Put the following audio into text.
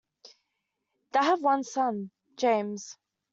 They have one son: James.